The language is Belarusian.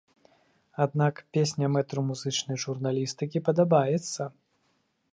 Аднак, песня мэтру музычнай журналістыкі падабаецца!